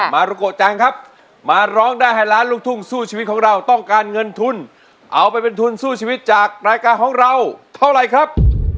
มารุโกจังครับมาร้องได้ให้ล้านลูกทุ่งสู้ชีวิตของเราต้องการเงินทุนเอาไปเป็นทุนสู้ชีวิตจากรายการของเราเท่าไรครับ